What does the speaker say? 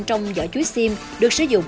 trong giỏ chuối xim được sử dụng